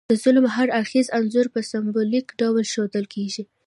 د ظلم هر اړخیز انځور په سمبولیک ډول ښودل کیږي.